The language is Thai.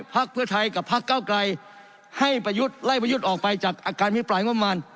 พักเพื่อไทยกับพักเก้าไกลให้ประยุทธ์ไล่ประยุทธ์ออกไปจากอาการพิปรายงบมาร